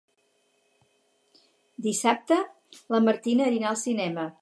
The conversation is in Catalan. Dissabte na Martina anirà al cinema.